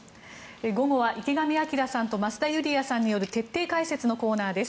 午後は池上彰さんと増田ユリヤさんによる徹底解説のコーナーです。